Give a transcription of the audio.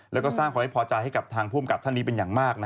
แล้วก็สร้างความให้พอใจให้กับทางผู้อำกับท่านนี้เป็นอย่างมาก